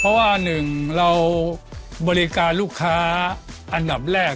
เพราะว่าหนึ่งเราบริการลูกค้าอันดับแรก